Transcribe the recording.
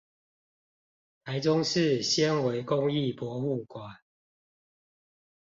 臺中市纖維工藝博物館